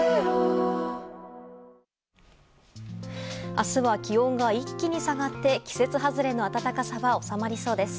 明日は、気温が一気に下がって季節外れの暖かさは収まりそうです。